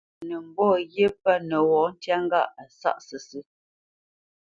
Mə nə́ mbɔ́ ghyé pə̂ nəwɔ̌ ntyá ŋgâʼ a sáʼ sə́sə̄.